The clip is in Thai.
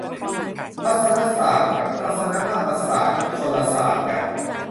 ทัศนศาสตร์ กับทัศนมาตรศาสตร์ คนละศาสตร์กัน